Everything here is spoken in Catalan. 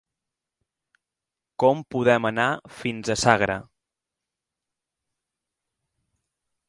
Com podem anar fins a Sagra?